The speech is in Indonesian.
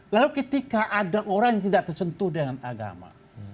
lalu ketika ada orang yang tidak tersentuh dengan agama